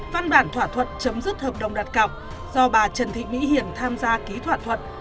văn bản thỏa thuận chấm dứt hợp đồng đặt cọc do bà trần thị mỹ hiển tham gia ký thỏa thuận